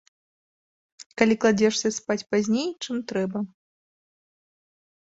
Калі кладзешся спаць пазней, чым трэба.